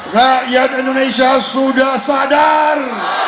rakyat indonesia sudah sadar